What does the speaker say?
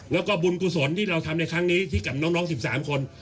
แล้วก็บุญกุศลที่เราทำในครั้งนี้ที่กับน้อง๑๓คน